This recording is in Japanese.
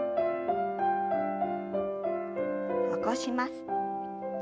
起こします。